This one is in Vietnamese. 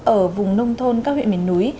ở vùng nông thôn các huyện miền núi